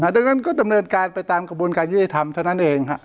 ดังนั้นก็ดำเนินการไปตามกระบวนการยุติธรรมเท่านั้นเอง